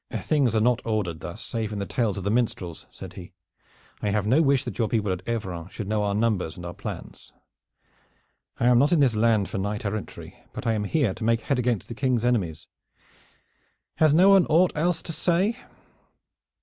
"Things are not ordered thus, save in the tales of the minstrels," said he. "I have no wish that your people at Evran should know our numbers or our plans. I am not in this land for knight errantry, but I am here to make head against the King's enemies. Has no one aught else to say?"